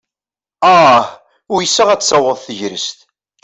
Ah! Uysaɣ ad taweḍ tegrest.